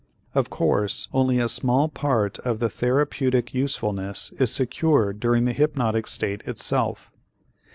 Of course only a small part of the therapeutic usefulness is secured during the hypnotic state itself.